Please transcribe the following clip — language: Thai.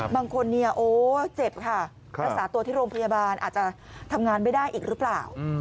บางคนเนี่ยโอ้เจ็บค่ะ